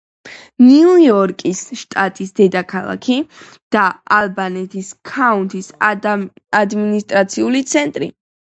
ნიუ-იორკის შტატის დედაქალაქი და ალბანის ქაუნთის ადმინისტრაციული ცენტრი.